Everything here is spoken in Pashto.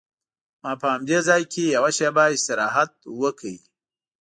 ما په همدې ځای کې یوه شېبه استراحت وکړ.